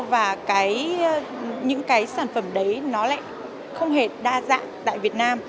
và những cái sản phẩm đấy nó lại không hề đa dạng tại việt nam